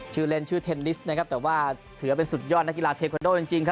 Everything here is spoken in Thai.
ชื่อเล่นชื่อเทนนิสแต่ว่าถือเป็นสุดยอดนกฬาเทคโนโลปฯจริง